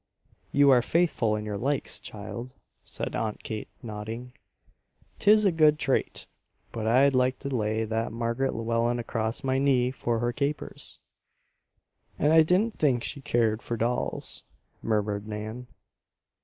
"You are faithful in your likes, child," said Aunt Kate nodding. "'Tis a good trait. But I'd like to lay that Marg'ret Llewellen across my knee, for her capers." "And I didn't think she cared for dolls," murmured Nan.